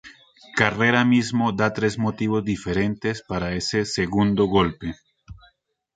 Carrera mismo da tres motivos diferentes para ese segundo golpe.